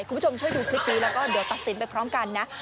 คุณผู้ชมช่วยดูคลิปนี้แล้วก็เดี๋ยวตัดสินไปพร้อมกันนะ